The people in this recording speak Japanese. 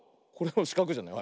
しかくじゃない？